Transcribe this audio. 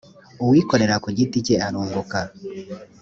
iwikorera ku giti cye arunguka.